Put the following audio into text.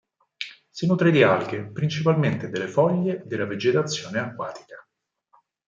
Si nutre di alghe, principalmente delle foglie della vegetazione acquatica.